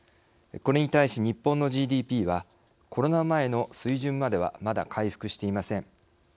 これに対し、日本のＧＤＰはコロナ前の水準まではまだ回復していません。